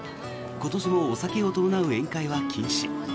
今年もお酒を伴う宴会は禁止。